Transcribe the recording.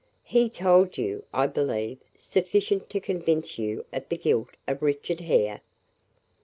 "He told you, I believe, sufficient to convince you of the guilt of Richard Hare?"